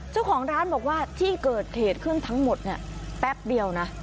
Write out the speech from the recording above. เจ้าของร้านบอกว่าที่เกิดเหตุขึ้นทั้งหมดเนี่ยแป๊บเดียวนะ